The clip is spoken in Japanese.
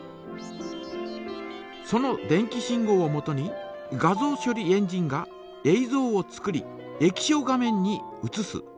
その電気信号をもとに画像処理エンジンがえいぞうを作り液晶画面にうつす。